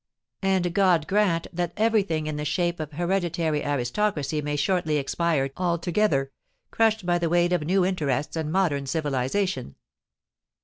And God grant that every thing in the shape of hereditary aristocracy may shortly expire altogether—crushed by the weight of new interests and modern civilisation!